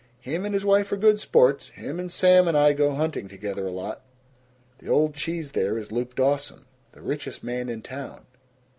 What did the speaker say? Him and his wife are good sports him and Sam and I go hunting together a lot. The old cheese there is Luke Dawson, the richest man in town.